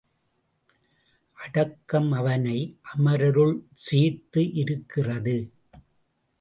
அடக்கம் அவனை அமரருள் சேர்த்து இருக்கிறது.